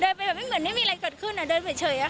เดินไปแบบไม่เหมือนมีอะไรเกิดขึ้นเดินไปเฉยแล้วค่ะ